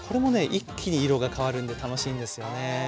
一気に色が変わるんで楽しいんですよね。